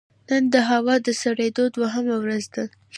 نن د هوا د سړېدو دوهمه ورځ ده